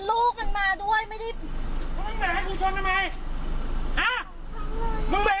ลูกสาวสาวสาวด้วยแบบซ้างมือ